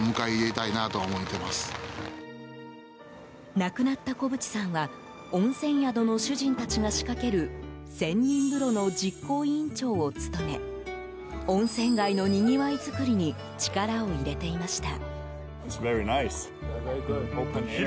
亡くなった小淵さんは温泉宿の主人たちが仕掛ける仙人風呂の実行委員長を務め温泉街のにぎわい作りに力を入れていました。